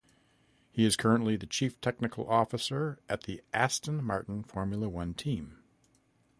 He is currently the chief technical officer at the Aston Martin Formula One team.